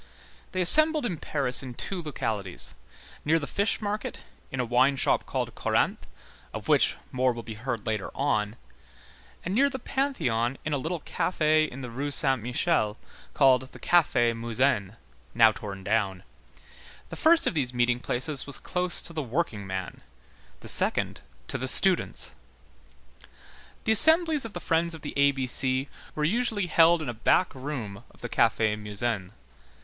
They assembled in Paris in two localities, near the fish market, in a wine shop called Corinthe, of which more will be heard later on, and near the Pantheon in a little café in the Rue Saint Michel called the Café Musain, now torn down; the first of these meeting places was close to the workingman, the second to the students. The assemblies of the Friends of the A B C were usually held in a back room of the Café Musain.